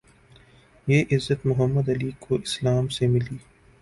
یہ عزت محمد علی کو اسلام سے ملی